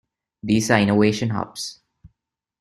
These are innovation hubs.